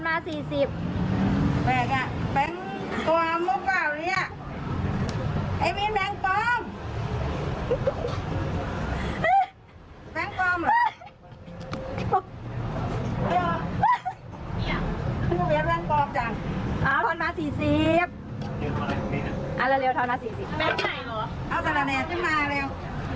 ไม่รู้นะไม่เคยเจอเลย